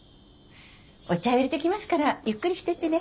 お茶を入れてきますからゆっくりしてってね。